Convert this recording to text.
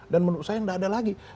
dan menurut saya nggak ada lagi